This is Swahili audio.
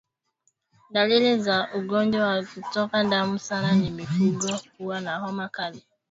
Dalili za ugonjwa wa kutoka damu sana ni mifugo kuwa na homa kali